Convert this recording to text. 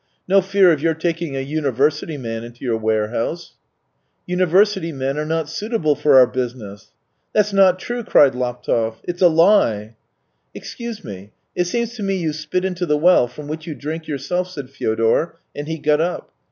No fear of your taking a university man into your warehouse !"" University men are not suitable for our business." " That's not true," cried Laptev. " It's a lie !"" Excuse me, it seems to me you spit into the well from which you drink yourself," said Fyodor, and he got up.